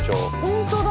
ホントだ！